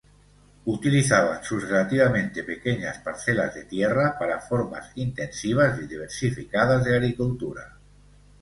Utilizaban sus relativamente pequeñas parcelas de tierra para formas intensivas y diversificadas de agricultura.